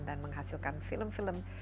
dan menghasilkan film film